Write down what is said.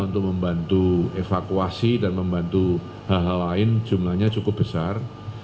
untuk membantu evakuasi dan membantu hal hal lain jumlahnya cukup besar